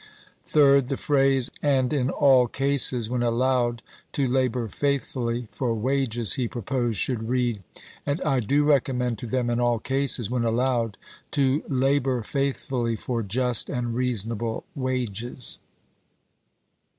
Third: The phrase, "and in all cases, when allowed, to labor faithfully for wages," he proposed should read, " and I do recommend to ' Koin!* them in all cases, when allowed, to labor faithfully MS. ■ for just and reasonable wages."